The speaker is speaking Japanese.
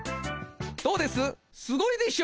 どうです？